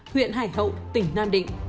huyện hải hậu tỉnh nam định